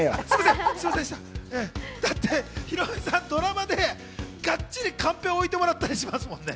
だってヒロミさんドラマでがっちりカンペを置いてもらったりしますもんね。